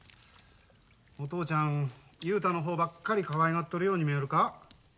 お父ちゃん雄太の方ばっかりかわいがっとるように見えるか？